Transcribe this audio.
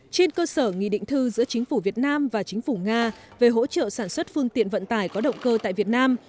trên cơ sở nghị định thư giữa chính phủ việt nam và chính phủ nga về hỗ trợ sản xuất phương tiện vận tải có động cơ tại việt nam